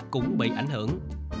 cũng bị ảnh hưởng